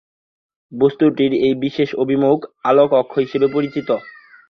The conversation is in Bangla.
বস্তুটির এই বিশেষ অভিমুখ, আলোক অক্ষ হিসেবে পরিচিত।